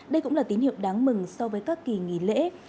đây cũng là tín hiệu đáng mừng so với các kỳ nghỉ lễ